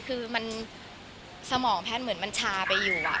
คือมันสมองแพทย์เหมือนมันชาไปอยู่